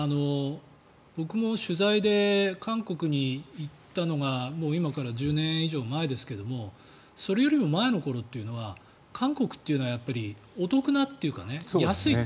僕も取材で韓国に行ったのが今から１０年以上前ですがそれよりも前の頃というのは韓国というのはお得なというか安い。